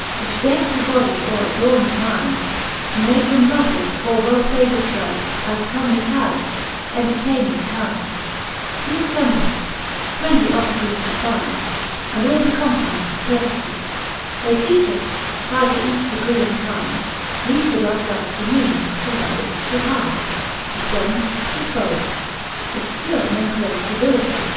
y^ ,■> Which decke the body, or adorne the myndc, To make them lovely, or > well favoured iliow; As comely carriage, entertainement kynde, Sweete femblaunt, friendly offices that bynde. And all the complements of curteiie : They teach us, how to each degree and kynde We fliould our felves demeane, to low, to hie ; To friends, to foes, which (kill men call civility.